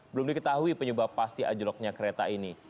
belum diketahui penyebab pasti anjloknya kereta ini